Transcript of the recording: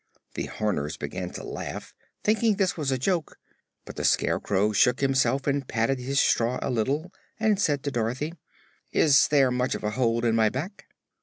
The Horners began to laugh, thinking this was a joke, but the Scarecrow shook himself and patted his straw a little and said to Dorothy: "Is there much of a hole in my back?"